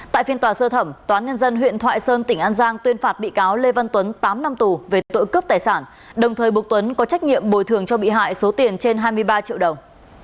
tại phiên tòa sơ thẩm toán nhân dân huyện thoại sơn tỉnh an giang tuyên phạt bị cáo lê văn tuấn tám năm tù về tội cướp tài sản đồng thời buộc tuấn có trách nhiệm bồi thường cho bị hại số tiền trên hai mươi ba triệu đồng